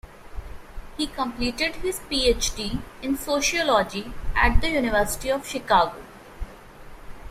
He completed his Ph.D. in sociology at the University of Chicago.